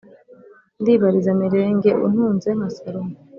ndibariza mirenge utunze nka salomo